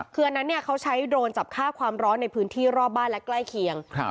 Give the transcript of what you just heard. คืออันนั้นเขาใช้โดรนจับฆ่าความร้อนในพื้นที่รอบบ้านและใกล้เคียง